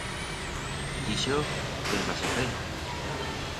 D'ixo, que en vas a fer?